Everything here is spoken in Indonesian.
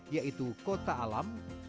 yaitu kota alam